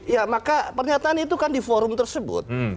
ya maka pernyataan itu kan di forum tersebut